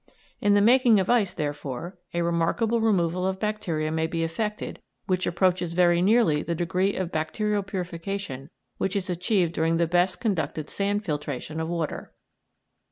In the making of ice, therefore, a remarkable removal of bacteria may be effected which approaches very nearly the degree of bacterial purification which is achieved during the best conducted sand filtration of water.